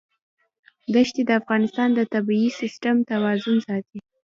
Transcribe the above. دښتې د افغانستان د طبعي سیسټم توازن ساتي.